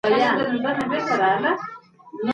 د پښتو ژبي خدمت وکړه چي په نړۍ کي وځلېږي.